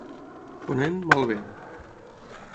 Ponent, mal vent.